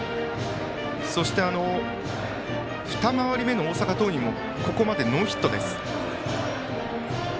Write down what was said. そして二回り目の大阪桐蔭もここまでノーヒットです。